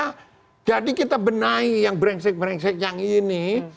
karena jadi kita benahi yang brengsek brengsek yang ini